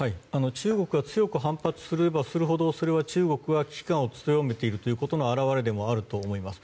中国は強く反発すればするほどそれは中国が危機感を強めていることの表れでもあると思います。